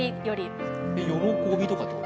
喜びとかってこと？